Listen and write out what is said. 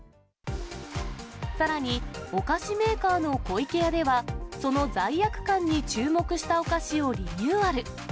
さらに、お菓子メーカーの湖池屋では、その罪悪感に注目したお菓子をリニューアル。